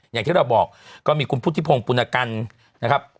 อย่างที่เราบอกก็มีคุณพุทธิพงศ์ปุณกันนะครับ